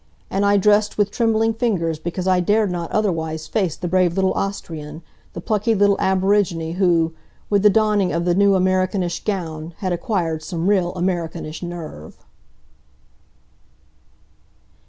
And I dressed with trembling fingers because I dared not otherwise face the brave little Austrian, the plucky little aborigine who, with the donning of the new Amerikanische gown had acquired some real Amerikanisch nerve.